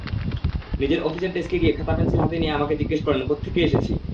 নিজের অফিসের ডেস্কে গিয়ে খাতা-পেনসিল হাতে নিয়ে আমাকে জিজ্ঞেস করলেন, কোত্থেকে এসেছি।